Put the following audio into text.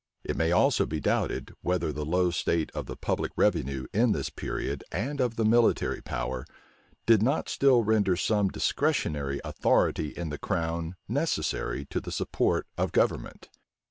It may also be doubted, whether the low state of the public revenue in this period, and of the military power, did not still render some discretionary authority in the crown necessary to the support of government.